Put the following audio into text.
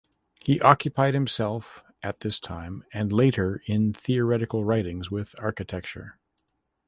He occupied himself at this time and later in theoretical writings with architecture.